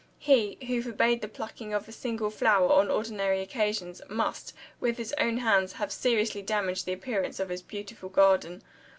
He, who forbade the plucking of a single flower on ordinary occasions, must, with his own hands, have seriously damaged the appearance of his beautiful garden.